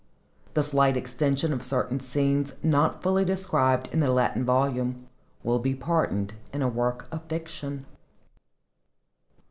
The slight extension of certain scenes not fully described in the Latin volume will be pardoned in a work of fiction.